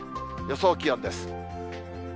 予想気温です。